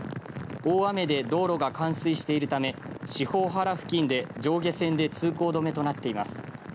大雨で道路が冠水しているため四方原付近で上下線で通行止めとなっています。